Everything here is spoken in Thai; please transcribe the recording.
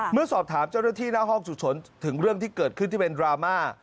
เมื่อสอบถามเจ้าหน้าที่หน้าห้องฉุกเฉินถึงเรื่องที่เกิดขึ้นที่เป็นดราม่า